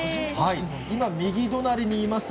今、右隣にいます